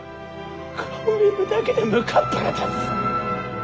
顔見るだけでむかっぱら立つ！